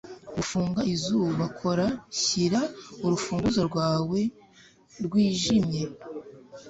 Gufunga izuba kora shyira urufunguzo rwawe rwijimye